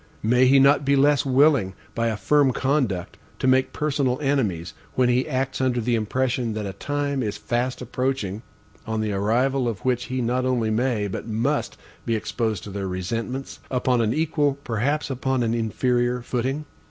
May he not be less willing by a firm conduct, to make personal enemies, when he acts under the impression that a time is fast approaching, on the arrival of which he not only MAY, but MUST, be exposed to their resentments, upon an equal, perhaps upon an inferior, footing?